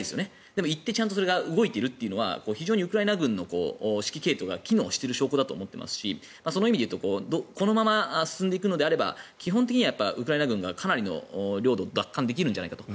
でも言って、ちゃんとそれが動いているというのは非常にウクライナ軍の指揮系統が機能している証拠だと思っていますしその意味で言うとこのまま進んでいくのであれば基本的にはウクライナ軍がかなりの領土を奪還できるんじゃないかと。